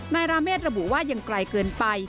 ราเมฆระบุว่ายังไกลเกินไป